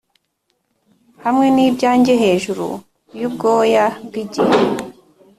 hamwe n'ibyanjye hejuru yubwoya bwigihe;